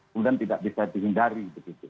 kemudian tidak bisa dihindari